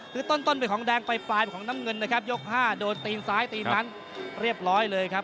คือต้นเป็นของแดงปลายของน้ำเงินนะครับยก๕โดนตีนซ้ายตีนนั้นเรียบร้อยเลยครับ